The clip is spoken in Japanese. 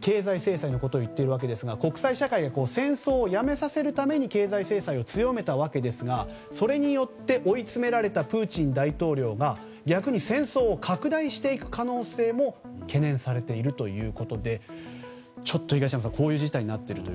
経済制裁のことを言っているわけですが国際社会が戦争をやめさせるために経済制裁を強めたわけですが、それによって追い詰められたプーチン大統領が逆に戦争を拡大していく可能性も懸念されているということで東山さん中村さん